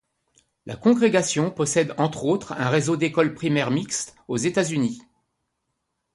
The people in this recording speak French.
La congrégation possède entre autres un réseau d'écoles primaires mixtes aux États-Unis.